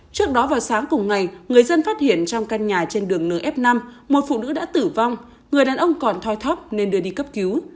trước đó vào sáng cùng ngày người dân phát hiện trong căn nhà trên đường nf năm một phụ nữ đã tử vong người đàn ông còn thoi thóc nên đưa đi cấp cứu